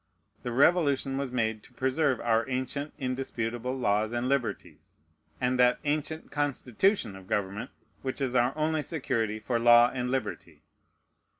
The Revolution was made to preserve our ancient indisputable laws and liberties, and that ancient constitution of government which is our only security for law and liberty.